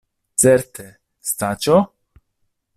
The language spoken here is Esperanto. Certe, Staĉjo?